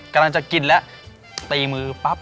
กำลังจะกินแล้วตีมือปั๊บ